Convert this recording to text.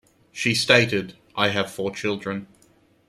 She stated, I have four children.